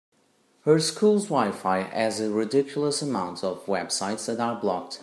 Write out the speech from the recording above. Her school’s WiFi has a ridiculous amount of websites that are blocked.